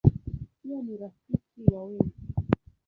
Pia ni rafiki wa wengi.